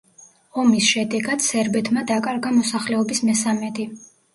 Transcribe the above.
ომის შედეგად, სერბეთმა დაკარგა მოსახლეობის მესამედი.